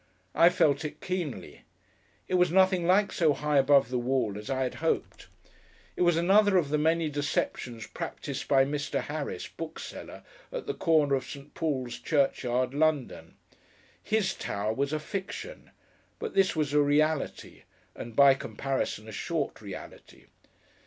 I felt it keenly. It was nothing like so high above the wall as I had hoped. It was another of the many deceptions practised by Mr. Harris, Bookseller, at the corner of St. Paul's Churchyard, London. His Tower was a fiction, but this was a reality—and, by comparison, a short reality.